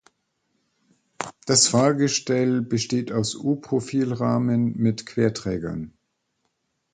Das Fahrgestell besteht aus U-Profil-Rahmen mit Querträgern.